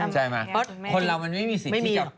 ใช่ไหมคนเรามันไม่มีสิทธิ์ที่จะ